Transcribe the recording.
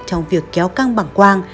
trong việc kéo căng băng quang